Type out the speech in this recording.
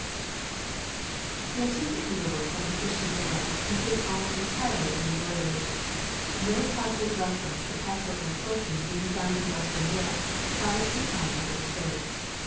Colours: blue and white, and beautifully quilted] The artistic needlework of the Christian era consists almost entirely of embroidery; no positive reference to patchwork or quilting being found in western Europe prior to the time of the Crusades.